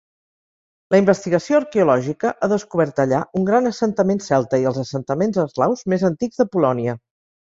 La investigació arqueològica ha descobert allà un gran assentament celta i els assentaments eslaus més antics de Polònia.